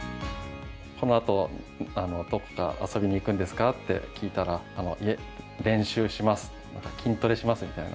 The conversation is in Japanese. このあとどこか遊びに行くんですかって聞いたら、いえ、練習します、筋トレしますみたいな。